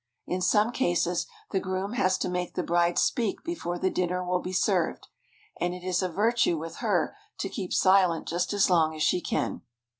In some cases the groom has to make the bride speak before the dinner will be served, and it is a virtue with her to keep silent just as long as she can.